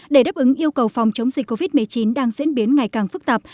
để đáp ứng yêu cầu phòng chống dịch covid một mươi chín đang diễn biến ngày càng phức tạp